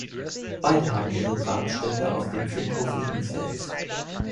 Beide haben ihre Grabstätte auf dem Friedhof Liebenfels.